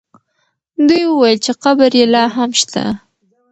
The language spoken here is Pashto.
دوی وویل چې قبر یې لا هم شته.